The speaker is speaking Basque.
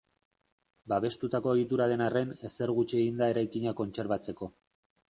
Babestutako egitura den arren, ezer gutxi egin da eraikina kontserbatzeko.